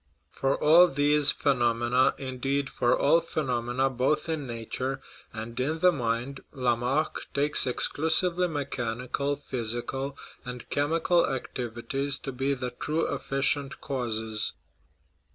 For all these phenom ena indeed, for all phenomena both in nature and in the mind Lamarck takes exclusively mechanical, physical, and chemical activities to be the true efficient causes.